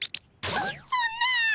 そそんな！